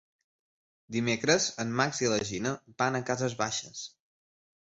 Dimecres en Max i na Gina van a Cases Baixes.